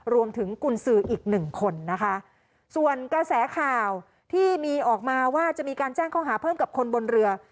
กุญสืออีกหนึ่งคนนะคะส่วนกระแสข่าวที่มีออกมาว่าจะมีการแจ้งข้อหาเพิ่มกับคนบนเรือ